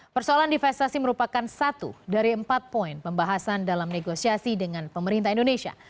persoalan divestasi merupakan satu dari empat poin pembahasan dalam negosiasi dengan pemerintah indonesia